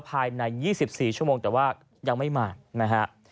ภายใน๒๔ชั่วโมงแต่ว่ายังไม่มานะฮะ